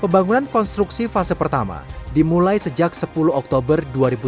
pembangunan konstruksi fase pertama dimulai sejak sepuluh oktober dua ribu tujuh belas